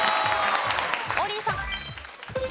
王林さん。